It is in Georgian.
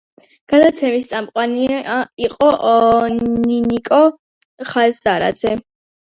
გადაცემის წამყვანია იყო ნანიკო ხაზარაძე.